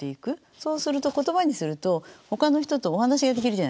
そうすると言葉にするとほかの人とお話ができるじゃないですか。